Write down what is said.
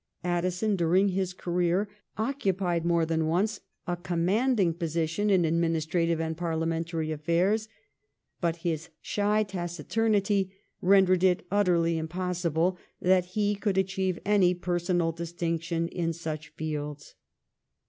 Addison during his career occupied more than once a commanding position in adminis trative and parliamentary affairs; but his shy taci turnity rendered it utterly impossible that he could achieve any personal distinction in such fields.